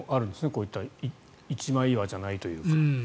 こういった一枚岩じゃないというか。